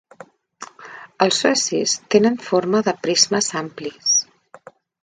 Els zoecis tenen forma de prismes amplis.